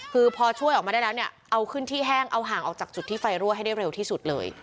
คือพอช่วยออกมาได้แล้วเนี่ยเอาขึ้นที่แห้งเอาห่างออกจากจุดที่ไฟรั่วให้ได้เร็วที่สุดเลย